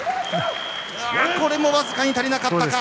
これも僅かに足りなかったか。